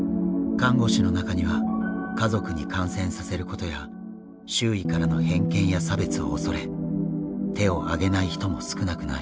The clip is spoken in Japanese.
看護師の中には家族に感染させることや周囲からの偏見や差別を恐れ手を挙げない人も少なくない。